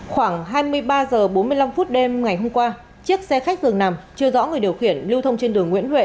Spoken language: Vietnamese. khoảng hai mươi ba h bốn mươi năm đêm ngày hôm qua chiếc xe khách dường nằm chưa rõ người điều khiển lưu thông trên đường nguyễn huệ